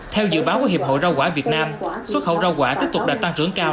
theo dự báo của hiệp hội rau quả việt nam xuất khẩu rau quả tiếp tục đạt tăng trưởng cao